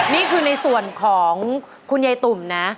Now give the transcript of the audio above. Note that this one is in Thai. นี่คือในส่วนของคุณยายตุ่มนะ